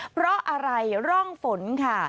เพราะอะไรร่องฝนค่ะ